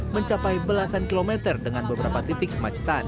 mencapai belasan kilometer dengan beberapa titik kemacetan